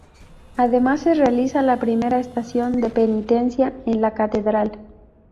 Además, se realiza la primera estación de penitencia en la Catedral.